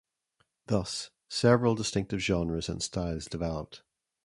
Thus, several distinctive genres and styles developed.